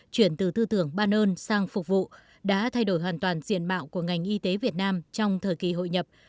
chuyển từ tư tưởng ban ơn sang phục vụ đã thay đổi hoàn toàn diện mạo của ngành y tế việt nam trong thời kỳ hội nhập